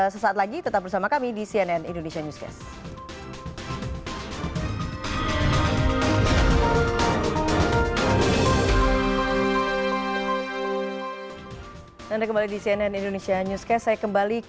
sesaat lagi tetap bersama kami di cnn indonesia newscast